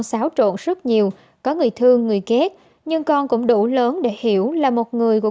bị xấu trộn rất nhiều có người thương người ghét nhưng con cũng đủ lớn để hiểu là một người của